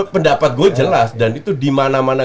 pendapat gue jelas dan itu dimana mana